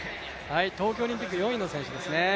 東京オリンピック４位の選手ですね。